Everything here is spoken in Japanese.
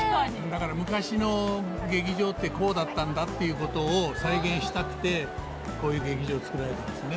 だから昔の劇場ってこうだったんだっていうことを再現したくてこういう劇場作られたんですね。